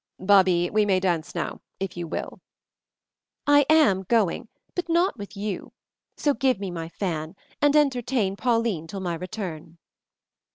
"Babie, we may dance now, if you will." "I am going, but not with you so give me my fan, and entertain Pauline till my return."